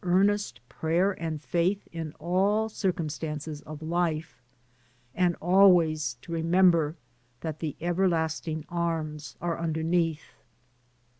earnest prayer and faith in all circumstances of life, and always to remember that "The Everlasting Arms are underneath."